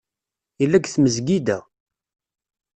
Yella deg tmesgida.